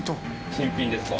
新品ですか？